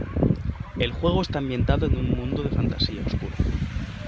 El juego está ambientado en un mundo de fantasía oscura.